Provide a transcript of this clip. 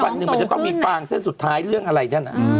วันหนึ่งมันจะต้องมีฟางเส้นสุดท้ายเรื่องอะไรนั่น